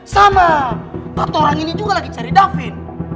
sama empat orang ini juga lagi cari david